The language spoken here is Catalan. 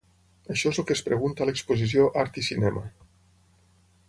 Això és el que es pregunta l’exposició Art i cinema.